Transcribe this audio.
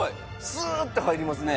スーッて入りますね。